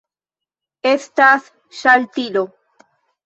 Estas ŝaltilo.